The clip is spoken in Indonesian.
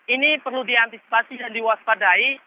ini perlu diantisipasi dan diwaspadai